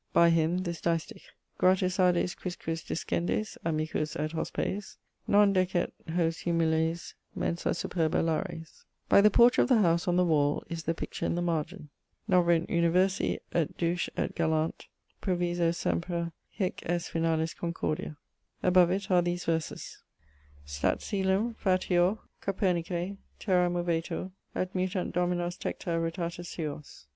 By him, this distich: Gratus ades quisquis descendis, amicus et hospes: Non decet hos humiles mensa superba Lares. By the porch of the howse, on the wall, is the picture in the margent: [Illustration: Noverint universi et douch et gallante ꝑroviso semꝓ hec est finalis concordia] Above it are these verses: Stat coelum, fateor, Copernice; terra movetur; Et mutant dominos tecta rotata suos.